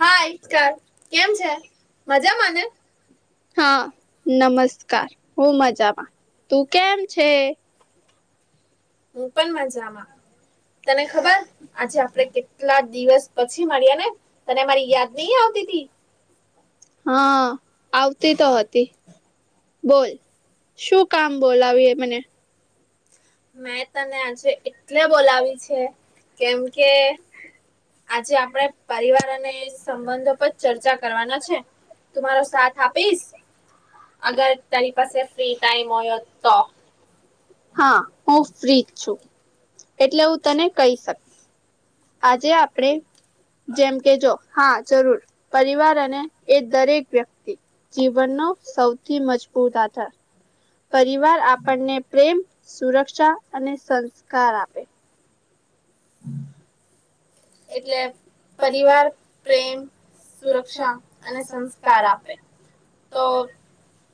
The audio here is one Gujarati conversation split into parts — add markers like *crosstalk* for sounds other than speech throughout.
હાય સ્કાર, કેમ છે, મજા માને? હા, નમસ્કાર, હું મજામાં, તું કેમ છે? હું પણ મજામાં. તને ખબર આજે આપડે કેટલા દિવસ પછી મળિયાને તને મારી યાદ નહી આવતી તી? હા, આવતી તો હતી. બોલ, શું કામ બોલ આવીએ મને? મેં તને આજે એટલે બોલાવી છે કેમ કે આજે આપણેે પરિવાર અને સંબંધો પર ચર્ચા કરવાના છે. તું મારો સાથ આપીશ? અગર તારી પાસે ફ્રી ટાઈમ હોયો તો. હા હું ફ્રીજ છું એટલે હું તને કહી શક. આજે આપડે જેમ કે જો હા જરૂર પરિવાર અને એ દરેક વ્યક્તિ જીવનનો સૌથી મજબૂત આધાર પરિવાર આપણને પ્રેમ, સુરક્ષા, અને સંસ્કાર આપે. હમ. એટલે પરિવાર પ્રેમ. સુરક્ષા અને સંસ્કાર આપે, તો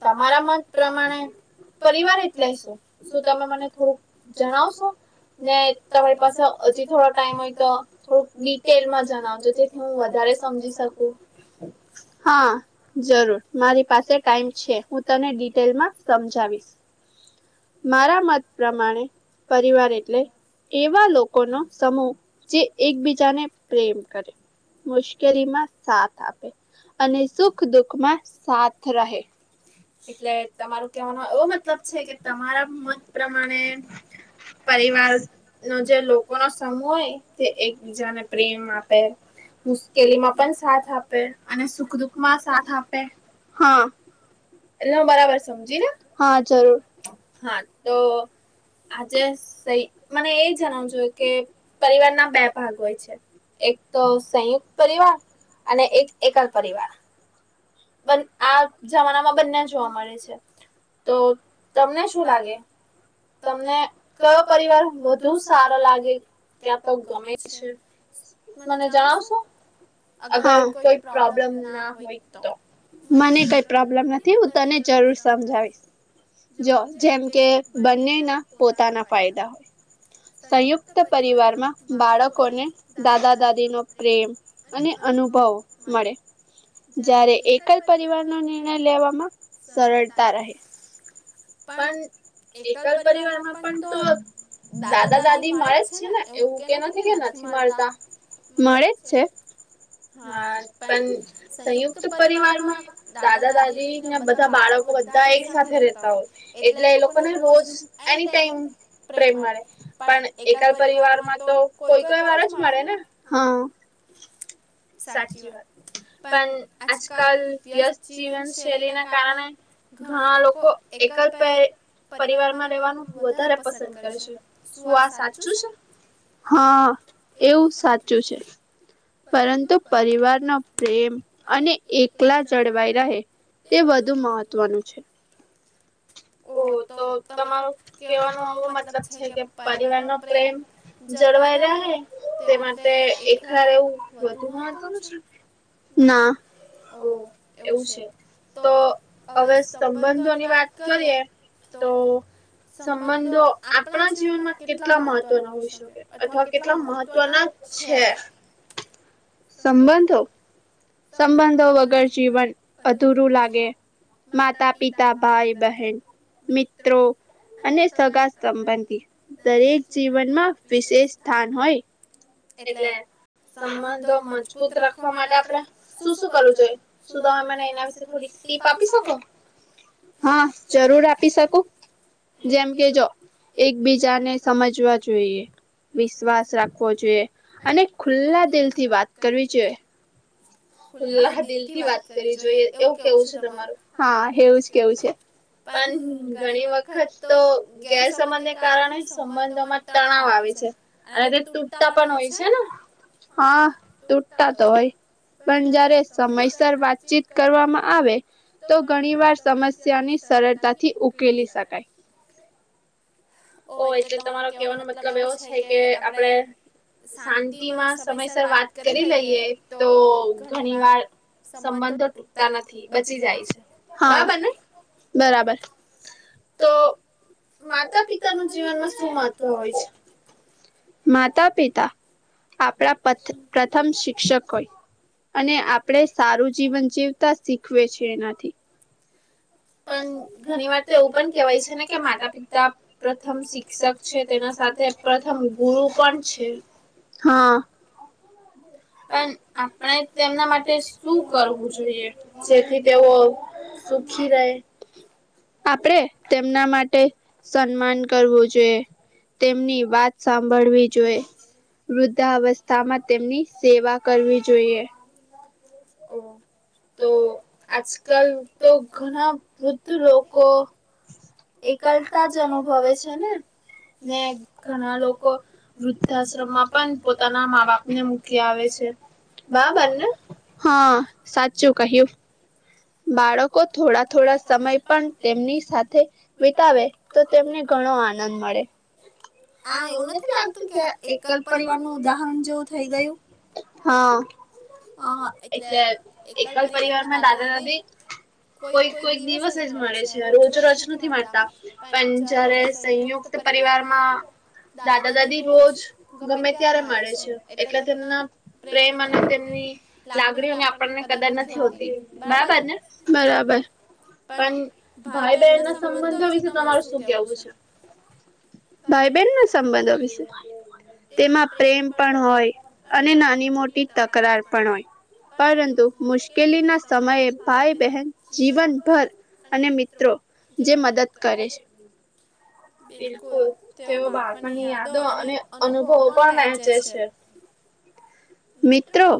તમારા મત પ્રમાણે પરિવાર જ લેશો શું તમે મને થોડુંક જણાવશો? ને તમારી પાસે હજી થોડો ટાઈમ હોય તો. થોડુંક ડિટેલમાં જણાવજો જેથી હું વધારે સમજી શકું. હા જરૂર મારી પાસે ટાઈમ છે, હું તને ડિટેલમાં સમજાવીશ. મારા મત પ્રમાણે, પરિવાર એટલે એવા લોકોનો સમૂહ, જે એકબીજાને પ્રેમ કરે. મુશ્કેલી માં સાથ આપે. અને સુખ દુઃખ માં સાથ રહે. એટલે તમારું કેવાનો એવો મતલબ છે કે તમારા મત પ્રમાણે પરિવાર નો જે લોકો નો સમૂહ હોય તે એકબીજાને પ્રેમ આપે. મુશ્કેલીમાં પણ સાથ આપે અને સુખ દુઃખ માં સાથ આપે? હા. એટલે હું બરાબર સમજી લને, હા જરૂર, હા તો આજે સહી મને એ જણાવું જો કે પરિવાર ના બે ભાગ હોય છે, એક તો સંયુક્ત પરિવાર, અને એક એકલ પરિવાર. આ જમાનામાં બંને જોવા મળે છે. તો તમને શું લાગે? તમને કયો પરિવાર વધુ સારો લાગે ક્યા તો? ગમે છે મને જણાવશો? ા કોઈ પ્રોબ્લેમ ના હોય તો. મને કઈ પ્રોબ્લેમ નથી હું તને જરૂર સમજાવીશ. જો જેમ કે બંને ના પોતાના ફાયદા હોય. સંયુક્ત પરરીવારમાં બાળકોને દાદા દાદીનો પ્રેમ અને અનુભવ મળે. જ્યારે એક જ પરિવાર ન નિર્ણય લેવામાં સરળતા રહે. પણ એકલ પરિવારમાં પણ તો દાદા દાદી મળે જ છે ને એવું. કેનાથી કે નથી મળતા તો? મળે જ છે, હા પણ સંયુક્ત પરિવારમાં દાદા દાદી ને બધા બાળકો બધા એક સાથે રતા હોય. એટલે એ લોકોને રોજ એની ટાઈમ પ્રેમ મળે, પણ એકદ પરિવારમાં તો કોઈ કોઈ વાર જ મળે ને? હ. સાચી વાત, પણ આજકાલ વ્યસ્ત જીવન શૈલી ના કારણે ઘણા લોકો એકલ પ પરિવાર માં રહેેવાનું વધારે પસંદ કરે છે, શું આ સાચું છે? હા એવું સાચું છે. પરંતુ પરિવારનો પ્રેમ અને એકલા જળવાઈ રહે. તે વધુ મહત્વનું છે. ઓ તો તમાર કેવાનો એ મતલબ છે કે પરિવારનો પ્રેમ. જળવાઈ રહે તે માટે એકલા એવું વધુ મહત્વનું છે? હા. ઓ એવું છે, તો હવે સંબંધોની વાત કરીએ, તો સંબંધો આપણા જીવનમાં કેટલા મહત્વના હોઈ શકે? અથવા કેટલા મહત્વના છે, બંધો સંબંધો વગર જીવન અધૂરું લાગે. માતા પિતા, ભાઈ બહેન, મિત્રો. અને સગા સંબંધી, દરેક જીવનમાં વિશેષ સ્થાન હોય. એટલે સંબંધો મજબૂત રાખવા માટે આપણેે શું શું કરવું જોઈએ? શું તમે મને એના વિશે થોડી ટીપ આપી શકો? હા જરૂર આપી શકો. જેમ કે જો એકબીજાને સમજવા જોઈએ. વિશ્વાસ રાખવો જોઈએ, અને ખુલ્લા દિલ થી વાત કરવી જોઈએ. ઉલ્લાહ દિલ થી વાત કરવી જોઈએ એવું કેવું છે તમારું? હા એવું જ કેવું છે. પણ ઘણી વખત તો ગેરસબંધને કારણે સંબંધોમાં તણાવ આવે છે. અને તે તૂટતા પણ હોય છે ને? હા તૂટતા તો હોય. પણ જયારે સમયસર વાતચીત કરવામાં આવે, તો ઘણી વાર સમય સમસ્યાની સરળતાથી ઉકેલી શકાય. ઓ એટલે તમારો કેહેવાનો મતલબ એવો છે કે આપડે, શાંતિમાં સમયસર વાત કરી લઈએ તો ઘણી વાર સંબંધો તૂટતા નથી, બચી જાય છે, હા બને બરાબર, તો માતા પિતા જીવનમાં શું મહત્વ હોય છે? માતા પિતા આપણા પથ પ્રથમ શિક્ષકો હોય. અને આપણે સારું જીવન જીવતા શીખવે છે એનાથી. પણ ઘણી વાર તો એવું પણ કેવાય છે ને કે માતા પિતા પ્રથમ શિક્ષક છે તેના સાથે પ્રથમ ગુરુ પણ છે, હા. પણ આપણે તેમના માટે શું કરવું જોઈએ જેથી તેઓ સ સુખી રે. આપડણે તેમના માટે સન્માન કરવું જોઈએ. તેમની વાત સાંભળવી જોઈ વૃદ્ધાવસ્થામાં તેમની સેવા કરવી જોઈએ. હમ. તો આજકાલ તો ઘણા વૃદ્ધ લોકો એકલતા જ અનુભવે છે ને. ને ઘણા લોકો વૃદ્ધાશ્રમમાં પણ પોતાના મા બાપ ને મૂકી આવે છે, બબર ને? હા સાચું કહ્યું. બાળકો થોડા થોડા સમય પણ તેમની સાથે વિતાવે છે. તો તેમને ઘણો આનંદ મળે. હા એવું નથી લાગતું કે એકલ પરિવાર નું ઉદાહરણ જોવું થઈ ગયું? હા, હ એટલે એકલ પરિવારમાં દાદા દાદી *unintelligible* કોઈક કોઈક દિવસ જ મળે છે રોજ રજ નથી મળતા, પણ જયારે સંયુક્ત તો પરિવારમાં દાદા દાદી રોજ ગમે ત્યારે મળે છે, એટલે તેમના પ્રેમ અને તેમની લાગણીઓની આપણને કદા નથી હોતી, બરાબર. બરાબર. પણ ભાઈ બહેન ના સંબંધો વિશે તમારુ શું કેવું છે? ભાઈ બહેન નો સંબંધો વિશે? તેમાં પ્રેમ પણ હોય, અને નાની મોટી તકરાર પણ હોય. પરંતુ મુશ્કેલી ના સમયે ભાઈ બહેન જીવનભર અને મિત્રો જે મદદ કરે છે. *inaudible* બિલકુલ, તેઓ બાળની યાદો અને અનુભવો પણ વહેંચે છે. મિત્રો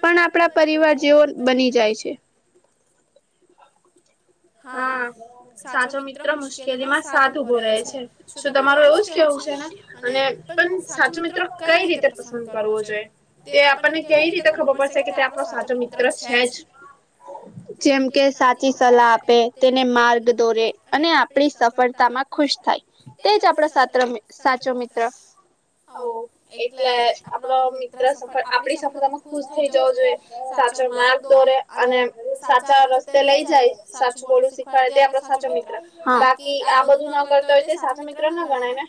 પણ આપણા પરિવાર જેવો બની જાય છે. હા, સાચો મિત્ર મુશ્કેલી માં સાથ ઉભો રહે છે, શું તમારું એવું જ કેવું છે ને? અને પણ સાચો મિત્રો કઈ રીતે પસંદ કરવો જોઈએ? તે આપણને કેવી રીતે ખબર પડશે કે તે આપણો સાચો મિત્ર છે જ? જેમ કે સાચી સલાહ. તેને માર્ગ દોરે, અને આપણી સફળતામાં ખુશ થાય, તેજ આપડા સત્રા મે સાચો મિત્ર. હ એટલે આપડો મિત્ર સફ આપડી સફળતામાં ખુશ થઈ જવો જોઈએ. સાચો માર્ગ દોરે અને સાચા રસ્તે લઈ જાય. સાચું બોલું શીખવાડે તે આપડો સાચો મિત્ર, બાકી આ બધું ના કરતા હોય તો સાચો મિત્ર ના ગણાય ને?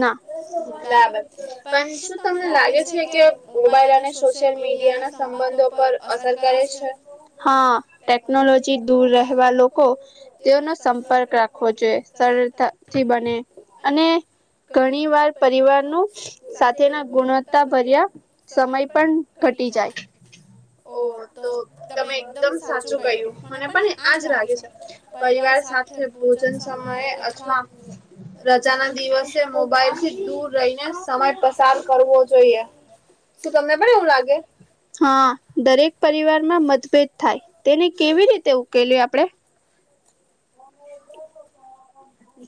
ના, બરાબર, પણ શું તમને લાગે છે કે મોબાઈલ અને સોશિલ મીડિયા ના સંબંધો પર અસર કરે છે? હા ટેકનોલોજી દૂર રહે વા લોકો તેઓનો સંપર્ક રાખવો જોઈ સરળતાથી બને અને ઘણી વાર પરિવાર ન સાથેના ગુણવત્તા ભર્યા સમય પણ. ઘટી જાય. ઓ તો તમે એકદમ સાચું કહ્યું, મને પણ એ આજ લાગે છે પરિવાર સાથે ભોજન સમયે અથવા રજા ના દિવસે મોબાઈલ થી દૂર રહીને સમય પસાર કરવો જોઈએ. સુ તમને પણ એવું લાગે? હા દરેક પરિવારમાં મતભેદ થાય તેને કેવી રીતે ઉકેલી આપડે?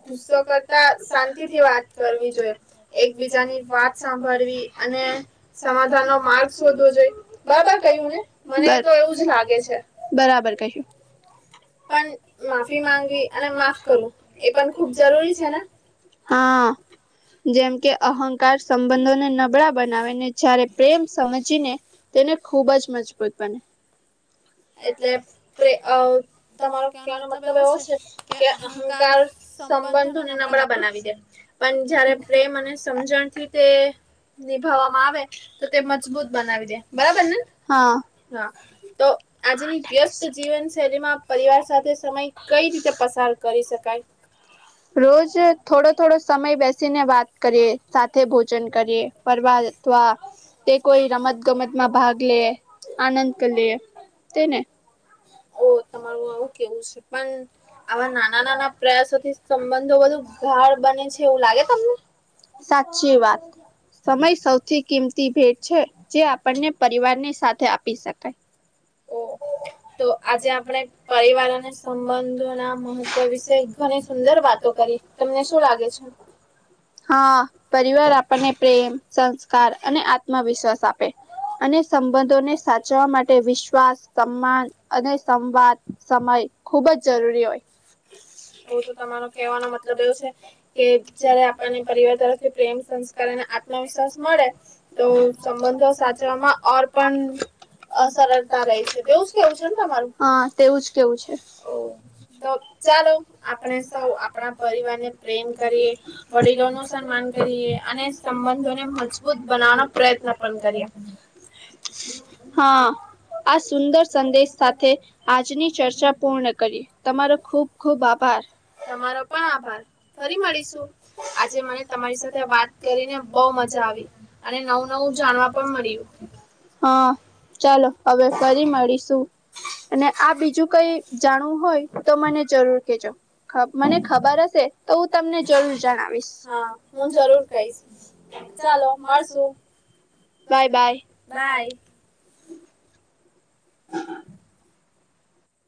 ગુસ્સો કરતા શાંતિ થી વાત કરવી જોઈએ, એકબીજાની વાત સાંભળવી અને સમાધાન નો માર્ગ શોધવો જોઈ, બરાબર કયું ને? મને તો એવું જ લાગે છે. બરાબર કહીંયુ, પણ માફી માંગવી અને માફ કરું. એ પણ ખુબ જરૂરી છે ને? હા. જેમ કે અહંકાર સંબંધોને નબળા બનાવીને જ્યારે પ્રેમ સમજીને. ને ખૂબજ મજબૂત બને. એટલે તમારો કહેવાનો મતલબ એવો છે કે અહંકાર સંબંધોને નબળા બનાવી દે, પણ જયારે પ્રેમ અને સમજણથી તે. નિભાવવામાં આવે, તો તે મજબૂત બનાવી દે બરાબર ને હા. હા, તો આજની વ્યસ્ત જીવન શૈલી માં પરિવાર સાથે સમય કઈ રીતે પસાર કરી શકાય? રોજ થોડો થોડો સમય બેસીને વાત કરીએ સાથે ભોજન કરીએ. ફરવા અથવા, તે કોઈ રમત ગમતમાં ભાગ લે, આનંદ કરી લે. તેને ઓ તમારું આવું કેવું છે પણ આવા નાના નાના પ્રયાસોથી સંબંધો બધુ ગાળ બને છે એવું લાગે તમને? સાચી વાત. સમય સૌથી કિંમતી ભેટ છે, જે આપણને પરિવાર ની સાથે આપી શકાય. ઓ તો આજે આપણે પરિવાર અને સંબંધોના મહત્વ વિશે. મને સુંદર વાતો કરી, તમને શું લાગે છે? હા, પરિવાર આપણને પ્રેમ સંસ્કાર અને આત્મવિશ્વાસ આપે. અને સંબંધોને સાચવવા માટે શ્વાસ સન્માન અને સંવાદ સમય ખૂબ જ જરૂરી હોય. એું તો તમારો કહેવાનો મતલબ એવો છે, કે જયારે આપણને પરિવાર તરફથી પ્રેમ સંસ્કાર અને આત્મવિશ્વાસ મળે, તો સંબંધો સાચવવામાં ઓર પણ અસરળ છે તેવું જ કેવું છે ને તમારું? હા તેવું જ કેવું છે, તો ચાલો. આપણે સૌ આપણા પરિવારને પ્રેમ કરીએ, વડીલો નું સન્માન કરીએ અને સંબંધોને મજબૂત બનાવાનો પ્રયત્ન પણ કર્યા, હા. આ સુંદર સંદેશ સાથે આજની ચર્ચા પૂર્ણ કરી, તમારો ખૂબ ખૂબ આપ આભાર, તમારો પણ આભાર, ફરી મળીશું આજે મને તમારી સાથે વાત કરીને બહ મજા આવી, અને નવું નવું જાણવા પણ મળ્યું. હા, ચાલો હવે. મળીશું, અને આ બીજું કઈ જાણવું હોય તો મને જરૂર કેજો. મને ખબર હશે તો હું તમને જરૂર જણાવીશ, હ હું જરૂર કહીશ. ચાલો મળશું, બાય બાય, બાય. *unintelligible*